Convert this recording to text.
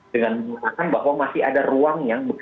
dengan mengatakan bahwa masih ada ruang yang